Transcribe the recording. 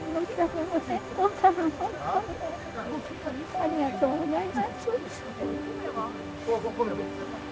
ありがとうございます。